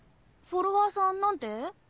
フォロワーさん何て？